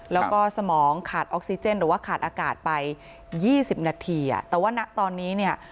แล้วก็สมองขาดออกซิเจนหรือว่าขาดอากาศไปยี่สิบนาทีอ่ะแต่ว่าณตอนนี้เนี่ย